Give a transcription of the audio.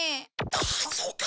ああそうか。